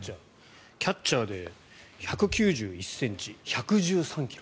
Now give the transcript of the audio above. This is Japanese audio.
キャッチャーで１９１ｃｍ、１１３ｋｇ。